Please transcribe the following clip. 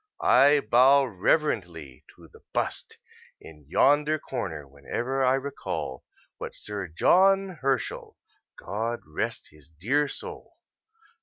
I bow reverently to the bust in yonder corner whenever I recall what Sir John Herschel (God rest his dear soul!)